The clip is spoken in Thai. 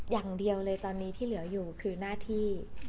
อย่างเดียวเลยตอนนี้ที่เหลืออยู่คือหน้าที่